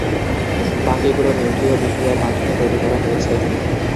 বাকিগুলো নিউক্লিয় বিক্রিয়ার মাধ্যমে তৈরি করা হয়েছে।